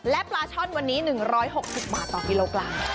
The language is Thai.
และปลาช่อนวันนี้๑๖๐บาทต่อกิโลกรัม